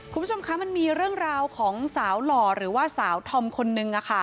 คุณผู้ชมคะมันมีเรื่องราวของสาวหล่อหรือว่าสาวธอมคนนึง